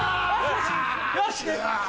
よし！